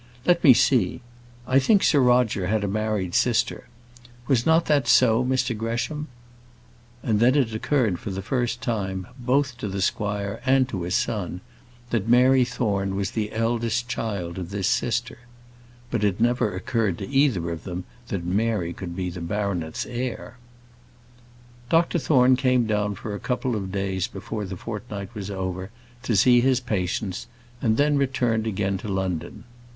Let me see; I think Sir Roger had a married sister. Was not that so, Mr Gresham?" And then it occurred for the first time, both to the squire and to his son, that Mary Thorne was the eldest child of this sister. But it never occurred to either of them that Mary could be the baronet's heir. Dr Thorne came down for a couple of days before the fortnight was over to see his patients, and then returned again to London.